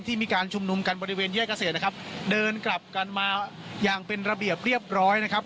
มีการชุมนุมกันบริเวณแยกเกษตรนะครับเดินกลับกันมาอย่างเป็นระเบียบเรียบร้อยนะครับ